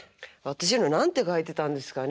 私の何て書いてたんですかね